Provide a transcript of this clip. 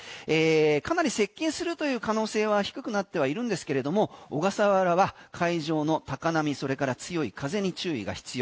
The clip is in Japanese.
かなり接近するという可能性は低くなってはいるんですけれども小笠原は海上の高波それから強い風に注意が必要。